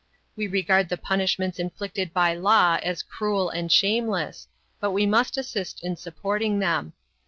We regard the punishments inflicted by law as cruel and shameless, but we must assist in supporting them.